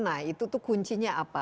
nah itu tuh kuncinya apa